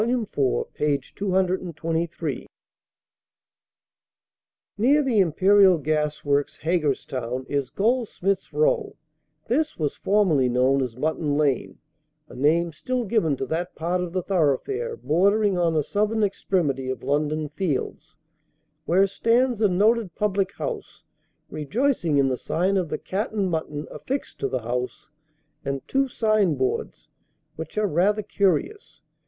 iv., p. 223: "Near the Imperial Gas Works, Haggerston, is Goldsmith's row; this was formerly known as Mutton Lane, a name still given to that part of the thoroughfare bordering on the southern extremity of London Fields, where stands a noted public house rejoicing in the sign of the 'Cat and Mutton' affixed to the house, and two sign boards, which are rather curious.